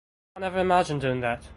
I never imagined doing that.